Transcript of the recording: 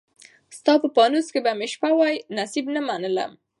ستا په پانوس کي به مي شپه وای، نصیب نه منلم